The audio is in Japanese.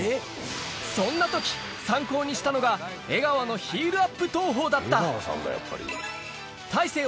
そんなとき、参考にしたのが江川のヒールアップ投法だった。